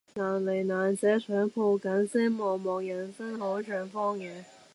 難離難捨想抱緊些茫茫人生好像荒野